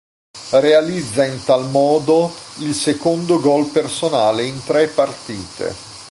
Realizza in tal modo il secondo gol personale in tre partite.